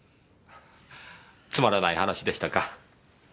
つまらない話でしたか？